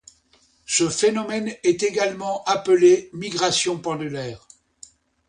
Ce phénomène est également appelé migration pendulaire.